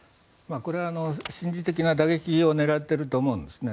これは心理的な打撃を狙っていると思うんですね。